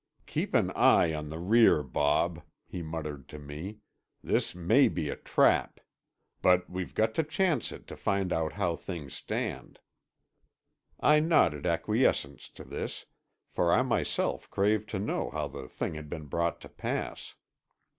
"Keep an eye to the rear, Bob," he muttered to me. "This may be a trap. But we've got to chance it to find out how things stand." I nodded acquiescence to this; for I myself craved to know how the thing had been brought to pass.